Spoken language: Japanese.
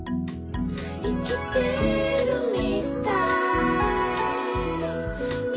「いきてるみたい」